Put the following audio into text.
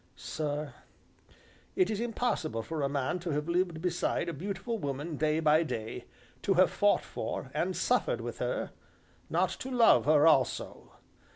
Sir, it is impossible for a man to have lived beside a beautiful woman day by day, to have fought for and suffered with her, not to love her also.